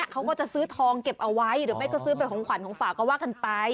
เขาก็จะซื้อทองเก็บเอาไว้หรือไม่ก็ซื้อเป็นของขวัญของฝากก็ว่ากันไป